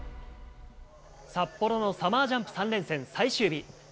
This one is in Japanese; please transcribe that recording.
札幌のサマージャンプ３連戦最終日。